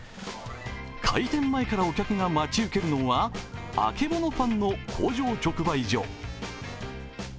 開店前からお客が待ち受けるのはあけぼのパンの工場直売所。